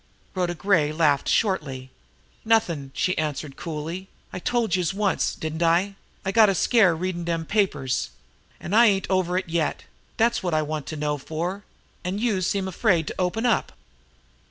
Rhoda Gray laughed shortly. "Nothin'!" she answered coolly. "I told youse once, didn't I? I got a scare readin' dem papers an' I ain't over it yet. Dat's wot I want to know for, an' youse seem afraid to open up!"